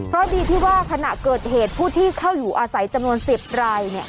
เพราะดีที่ว่าขณะเกิดเหตุผู้ที่เข้าอยู่อาศัยจำนวน๑๐ราย